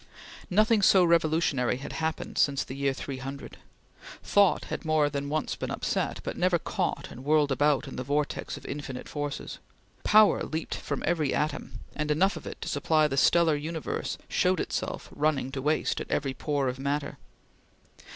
Nothing so revolutionary had happened since the year 300. Thought had more than once been upset, but never caught and whirled about in the vortex of infinite forces. Power leaped from every atom, and enough of it to supply the stellar universe showed itself running to waste at every pore of matter.